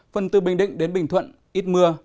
phần từ bình định đến bình thuận ít mưa